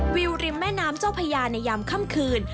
วิวริมแม่น้ำเจ้าพญาในยามค่ำคืน